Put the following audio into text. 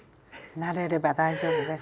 慣れれば大丈夫です。